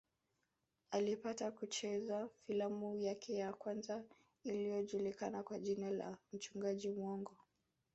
Alipata kucheza filamu yake ya kwanza iliyojulikana kwa jina la mchungaji muongo